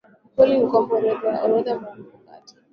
ukweli kwamba ni orodha ya orodha maarufu katika